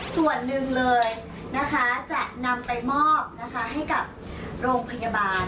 ส่วนหนึ่งเลยนะคะจะนำไปมอบนะคะให้กับโรงพยาบาล